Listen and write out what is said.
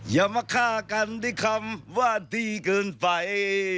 อย่ามาฆ่ากันที่คำว่าที่เกินไป